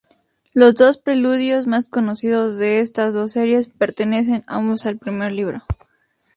Los dos preludios más conocidos de estas dos series pertenecen ambos al primer libro.